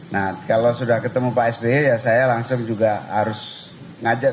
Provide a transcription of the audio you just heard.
nah kalau sudah ketemu pak sby ya saya langsung juga harus ngajak